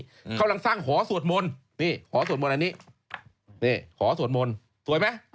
อืมกำลังสร้างหอสวดมนต์นี่หอสวดมนต์อันนี้นี่ขอสวดมนต์สวยไหม